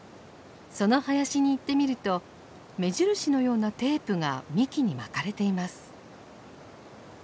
その林に行ってみると目印のようなテープが幹に巻かれています。